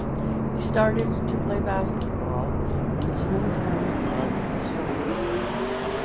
He started to play basketball in his hometown club Sloga.